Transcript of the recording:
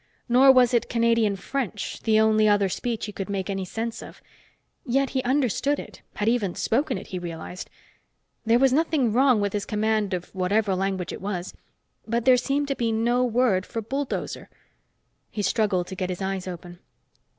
Nor was it Canadian French, the only other speech he could make any sense of. Yet he understood it had even spoken it, he realized. There was nothing wrong with his command of whatever language it was, but there seemed to be no word for bulldozer. He struggled to get his eyes open.